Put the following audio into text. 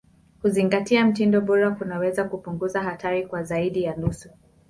Kuzingatia mtindo bora kunaweza kupunguza hatari kwa zaidi ya nusu.